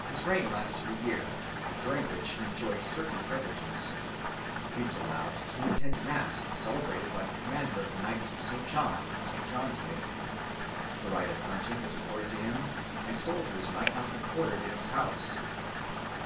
His reign lasted a year, during which he enjoyed certain privileges. He was allowed to attend the mass celebrated by the commander of the Knights of St. John on St. John's Day; the right of hunting was accorded to him, and soldiers might not be quartered in his house.